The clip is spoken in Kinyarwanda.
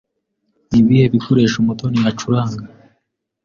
Ni ibihe bikoresho Mutoni acuranga?